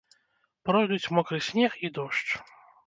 Пройдуць мокры снег і дождж.